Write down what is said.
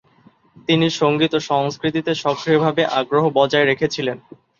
তিনি সঙ্গীত ও সংস্কৃতিতে সক্রিয়ভাবে আগ্রহ বজায় রেখেছিলেন।